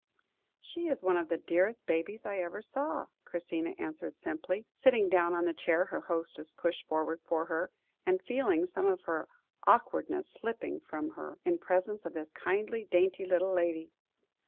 "She is one of the dearest babies I ever saw," Christina answered simply, sitting down in the chair her hostess pushed forward for her, and feeling some of her awkwardness slipping from her, in presence of this kindly, dainty little lady.